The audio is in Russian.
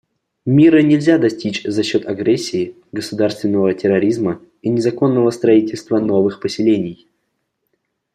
Мира нельзя достичь за счет агрессии, государственного терроризма и незаконного строительства новых поселений.